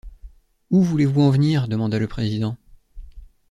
Où voulez-vous en venir? demanda le président.